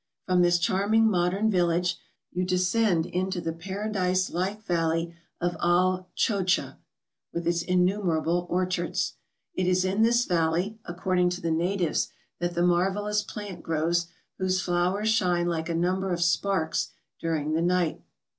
From this charming modern village, you descend into the paradise like valley of Al Chodcha, with its innumerable orchards. It is in this valley, according to the natives, that the marvellous plant 190 MOUNTAIN ADVENTURES. grows whose flowers shine like a number of sparks during the night.